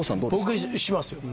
僕しますよ。